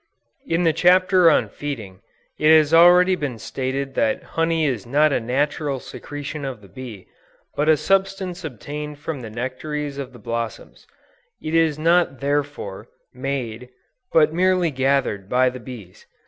In the chapter on Feeding, it has already been stated that honey is not a natural secretion of the bee, but a substance obtained from the nectaries of the blossoms; it is not therefore, made, but merely gathered by the bees.